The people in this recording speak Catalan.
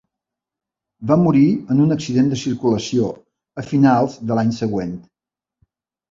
Va morir en un accident de circulació a finals de l'any següent.